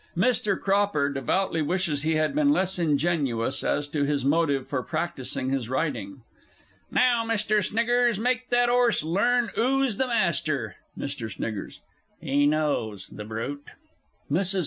(Mr. Cropper devoutly wishes he had been less ingenuous as to his motive for practising his riding.) Now, Mr. Sniggers, make that 'orse learn 'oo's the master! [Mr. S. "He knows, the brute!"] MRS.